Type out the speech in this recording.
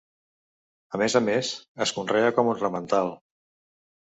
A més a més, es conrea com ornamental.